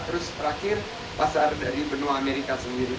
terus terakhir pasar dari benua amerika sendiri